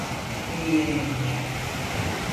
Beni yere indir!